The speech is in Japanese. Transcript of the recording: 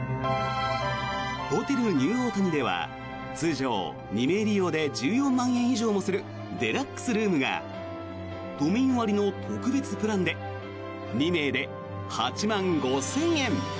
ホテルニューオータニでは通常、２名利用で１４万円以上もするデラックスルームが都民割の特別プランで２名で８万５０００円。